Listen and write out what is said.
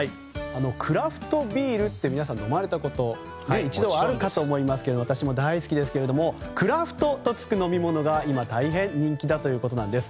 クラフトビールって皆さん飲まれたこと一度はあるかと思いますけど私も大好きですけれどもクラフトとつく飲み物が今大変人気なんだということです。